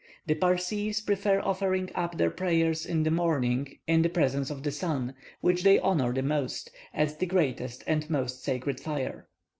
The Parsees prefer offering up their prayers in the morning in the presence of the sun, which they honour the most, as the greatest and most sacred fire.